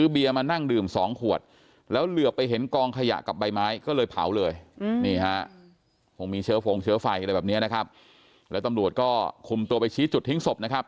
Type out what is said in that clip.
มีเชื้อโฟงเชื้อไฟอะไรแบบนี้นะครับแล้วตำรวจก็คุมตัวไปชี้จุดทิ้งศพนะครับ